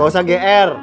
ga usah gr